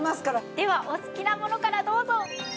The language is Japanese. ではお好きなものからどうぞ！